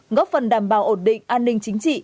góp phần đảm bảo ổn định an ninh chính trị